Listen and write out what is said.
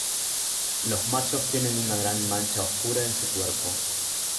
Los machos tienen una gran mancha oscura en su cuerpo.